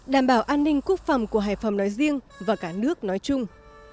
đảm bảo an ninh quốc phòng của hải phòng nói riêng và cả nước nói chung